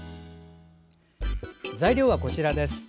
材料はこちらです。